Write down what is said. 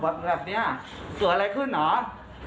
แบบนี้เกิดอะไรขึ้นเหรอ